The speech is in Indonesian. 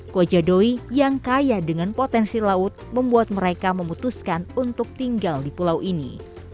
kojadoi yang kaya dengan potensi laut membuat mereka memutuskan untuk tinggal di pulau ini